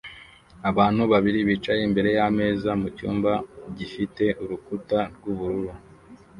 Abantu babiri bicaye imbere yameza mucyumba gifite urukuta rwubururu